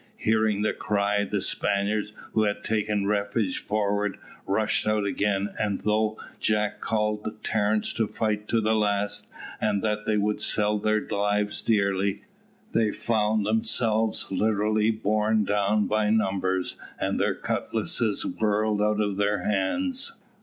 Hearing the cry, the Spaniards, who had taken refuge forward, rushed out again, and though Jack called to Terence to fight to the last, and that they would sell their lives dearly, they found themselves literally borne down by numbers, and their cutlasses whirled out of their hands.